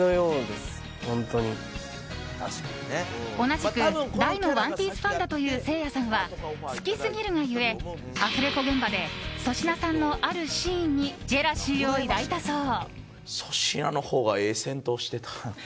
同じく大の「ＯＮＥＰＩＥＣＥ」ファンだというせいやさんは、好きすぎるが故アフレコ現場で粗品さんのあるシーンにジェラシーを抱いたそう。